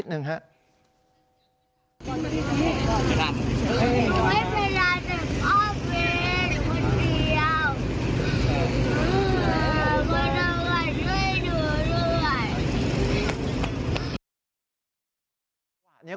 ช่วยหนูด้วย